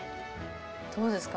どうですか？